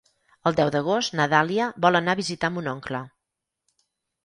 El deu d'agost na Dàlia vol anar a visitar mon oncle.